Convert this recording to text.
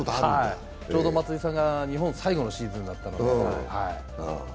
ちょうど松井さんが日本最後のシーズンだったので。